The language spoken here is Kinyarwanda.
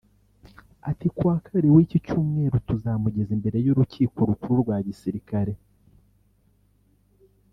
Ati “Kuwa Kabiri w’iki cyumweru tuzamugeza imbere y’urukiko rukuru rwa gisirikare